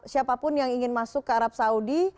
siapapun yang ingin masuk ke arab saudi